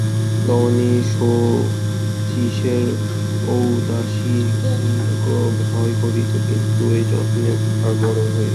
দামিনী শচীশের ঔদাসীন্যকে ভয় করিত না, কিন্তু এই যত্নকে তার বড়ো ভয়।